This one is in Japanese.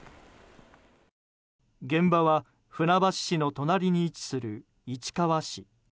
現場は船橋市の隣に位置する市川市。